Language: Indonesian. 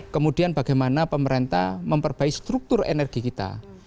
kemudian bagaimana pemerintah memperbaiki struktur energi kita